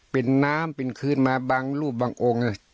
เป็นน้ำเป็นคืนมาบางรูปบางองค์